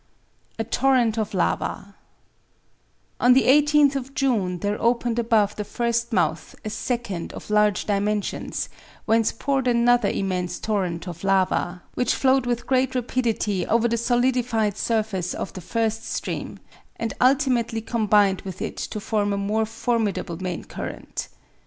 A TORRENT OF LAVA On the 18th of June there opened above the first mouth a second of large dimensions, whence poured another immense torrent of lava, which flowed with great rapidity over the solidified surface of the first stream, and ultimately combined with it to form a more formidable main current.